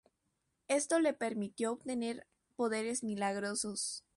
Esto le permitió obtener poderes milagrosos.